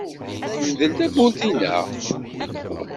Mdel tawwurt-inna.